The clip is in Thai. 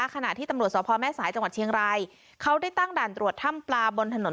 ก็พบมารสาวพอล์แม่สายจังหวัดเชียงรายเขาได้ตั้งด่านตรวจท่ำปลาบนถนน